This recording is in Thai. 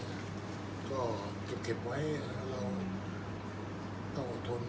อันไหนที่มันไม่จริงแล้วอาจารย์อยากพูด